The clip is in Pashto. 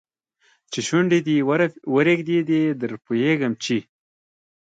چې شونډي دې ورېږدي در پوهېږم چې